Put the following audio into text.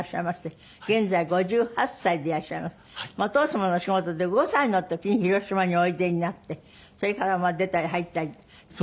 お父様のお仕事で５歳の時に広島においでになってそれから出たり入ったりって。